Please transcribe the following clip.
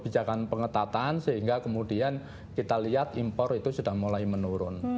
kebijakan pengetatan sehingga kemudian kita lihat impor itu sudah mulai menurun